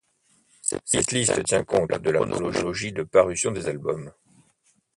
Cette liste tient compte de la chronologie de parution des albums.